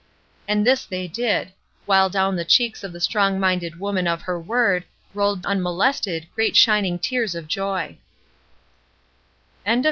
''' And this they did; while down the cheeks of the strong minded woman of her word rolled unmolested great shining tears of joy.